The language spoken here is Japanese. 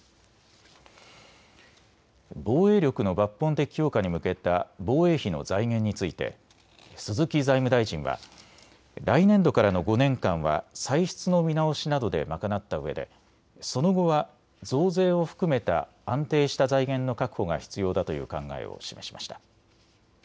防衛力の抜本的強化に向けた防衛費の財源について鈴木財務大臣は来年度からの５年間は歳出の見直しなどで賄ったうえで、その後は増税を含めた安定した財源の確保が必要だという考えを示しました。